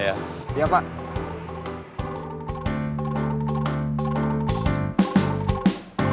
ihreb hujan terbahwa clear